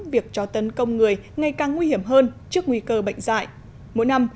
việc cho tấn công người ngày càng nguy hiểm hơn trước nguy cơ bệnh dạy mỗi năm